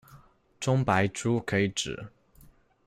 中白猪可以指：